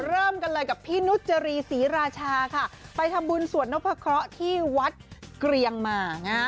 เริ่มกันเลยกับพี่นุจรีศรีราชาค่ะไปทำบุญสวดนพะเคราะห์ที่วัดเกรียงมา